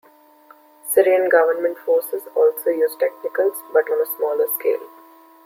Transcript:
Syrian government forces also use technicals, but on a smaller scale.